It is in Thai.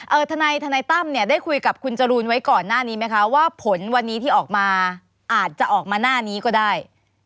ทนายทนายตั้มเนี่ยได้คุยกับคุณจรูนไว้ก่อนหน้านี้ไหมคะว่าผลวันนี้ที่ออกมาอาจจะออกมาหน้านี้ก็ได้